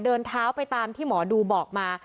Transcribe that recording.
เดินเท้าไปตามที่หมอดูบอกมา